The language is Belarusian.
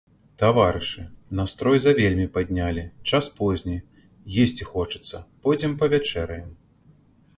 Таварышы, настрой завельмі паднялі, час позні, есці хочацца, пойдзем павячэраем.